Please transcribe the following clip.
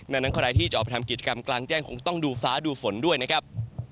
ดังนั้นใครที่จะออกไปทำกิจกรรมกลางแจ้งคงต้องดูฟ้าดูฝนด้วยนะครับ